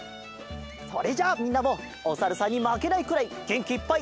それじゃあみんなもおサルさんにまけないくらいげんきいっぱい